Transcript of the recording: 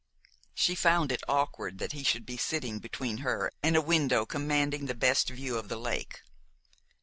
She found it awkward that he should be sitting between her and a window commanding the best view of the lake.